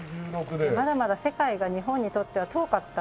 まだまだ世界が日本にとっては遠かった。